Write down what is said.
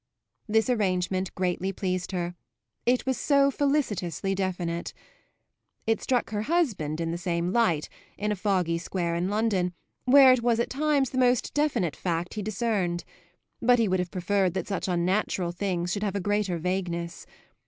This arrangement greatly pleased her; it was so felicitously definite. It struck her husband in the same light, in a foggy square in London, where it was at times the most definite fact he discerned; but he would have preferred that such unnatural things should have a greater vagueness.